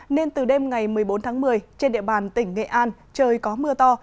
nên từ đêm ngày một mươi bốn tháng một mươi trên địa bàn tỉnh nghệ an trời có mưa to